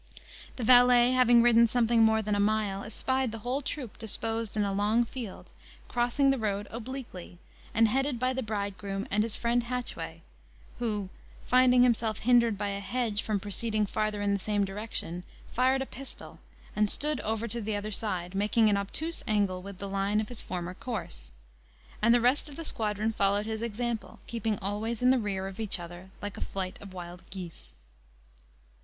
The valet having ridden something more than a mile, espied the whole troop disposed in a long field, crossing the road obliquely, and headed by the bridegroom and his friend Hatchway, who, finding himself hindered by a hedge from proceeding farther in the same direction, fired a pistol, and stood over to the other side, making an obtuse angle with the line of his former course; and the rest of the squadron followed his example, keeping always in the rear of each other, like a flight of wild geese.